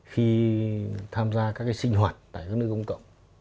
khi tham gia các sinh hoạt tại các nơi công cộng